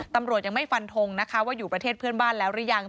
ตำรวจยังไม่ฟันทงนะคะว่าอยู่ประเทศเพื่อนบ้านแล้วหรือยัง